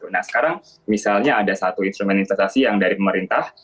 nah sekarang misalnya ada satu instrumen investasi yang dari pemerintah